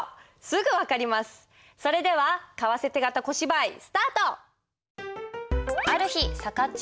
それでは為替手形小芝居スタート！